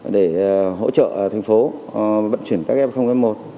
để hỗ trợ thành phố vận chuyển các f một